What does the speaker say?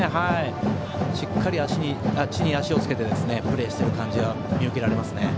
しっかり地に足を着けてプレーしている感じが見受けられますね。